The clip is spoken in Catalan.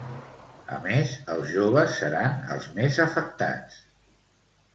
A més, els joves seran els més afectats.